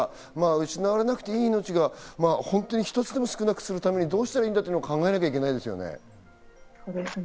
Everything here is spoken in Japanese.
失われなくていい命が一つでも少なくするためにどうしたらいいのか考えなきゃいけないですね。